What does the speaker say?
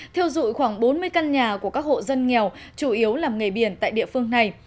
thiêu dụi khoảng bốn mươi căn nhà của các hộ dân nghèo chủ yếu làm nghề biển tại địa phương này